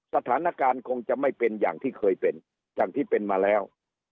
สถานการณ์คงจะไม่เป็นอย่างที่เคยเป็นอย่างที่เป็นมาแล้ว